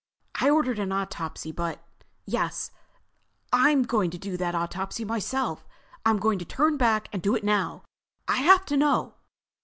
"I ordered an autopsy but—Yes, I'm going to do that autopsy myself. I'm going to turn back and do it now. I have to know!"